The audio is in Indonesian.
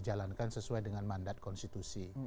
jalankan sesuai dengan mandat konstitusi